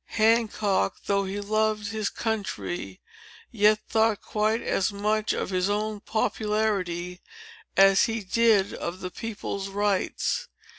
Hancock, though he loved his country, yet thought quite as much of his own popularity as he did of the people's rights.